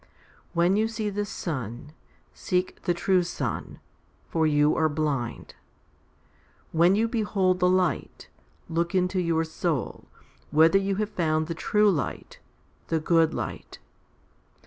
When you see the sun, seek the true Sun, for you are blind. When you behold the light, look into your soul, whether you have found the true Light, the good Light.